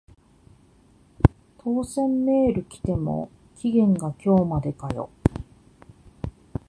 当選メール来ても期限が今日までかよ